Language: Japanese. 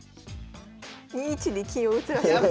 ２一に金を打つらしいです。